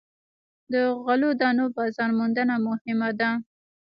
د غلو دانو بازار موندنه مهمه ده.